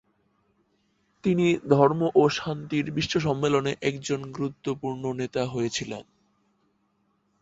তিনি ধর্ম ও শান্তির বিশ্ব সম্মেলনে একজন গুরুত্বপূর্ণ নেতা হয়েছিলেন।